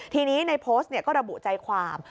ทีนี้ในโพสต์ก็ระบุใจความ